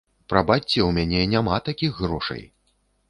Прабачце, у мяне няма такіх грошай.